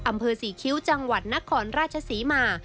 อำเภอศิเค้าเหรอจังหวัดนักข้อราชสีมา